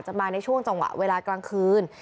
ก็ไม่เคยเจอคนคลุมนี้มาก่อนนะ